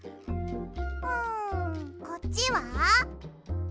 うんこっちは？